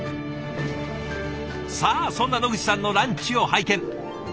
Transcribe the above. さあそんな野口さんのランチを拝見。